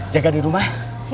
jaga di rumah